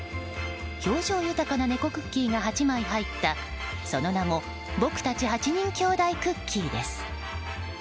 表情豊かな猫クッキーが８枚入ったその名もぼくたち８人兄弟クッキーです。